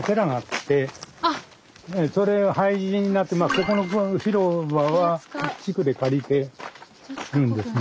ここの広場は地区で借りてるんですが。